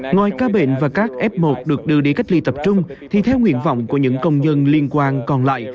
ngoài ca bệnh và các f một được đưa đi cách ly tập trung thì theo nguyện vọng của những công dân liên quan còn lại